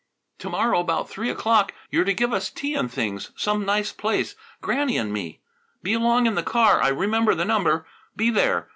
To morrow about three o'clock you're to give us tea and things, some nice place Granny and me. Be along in the car. I remember the number. Be there.